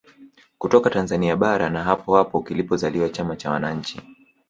Kutoka Tanzania bara na hapo hapo kilipozaliwa chama cha wananchi